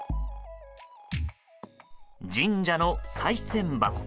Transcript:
神社の、さい銭箱。